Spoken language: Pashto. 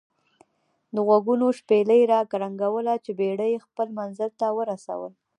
دغوږونو شپېلۍ را کرنګوله چې بېړۍ خپل منزل ته ورسول.